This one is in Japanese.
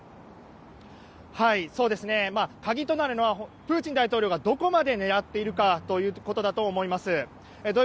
鍵となるのはプーチン大統領がどこまで狙っているかということだと思います。